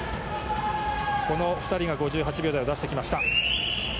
この２人が５８秒台を出してきました。